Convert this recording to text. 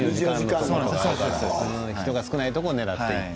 あるから人が少ないところを狙っていって。